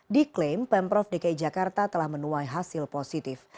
diklaim pemprov dki jakarta telah menuai hasil positif